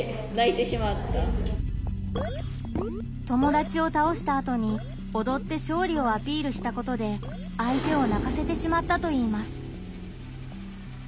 友達を倒したあとにおどって勝利をアピールしたことで相手を泣かせてしまったといいます。